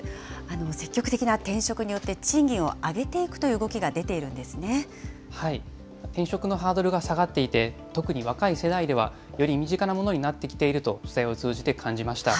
積極的な転職によって賃金を上げていくという動きが出ているんで転職のハードルが下がっていて、特に若い世代では、より身近なものになってきていると、取材を通じて感じました。